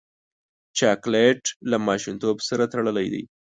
چاکلېټ له ماشومتوب سره تړلی دی.